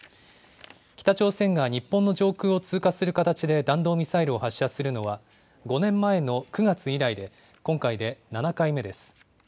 北朝鮮が日本の上空を通過する形で弾道ミサイルを発射するのは、５年前の９月以来で、今回で７回目です。